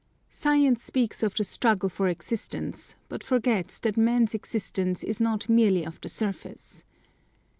Science speaks of the struggle for existence, but forgets that man's existence is not merely of the surface.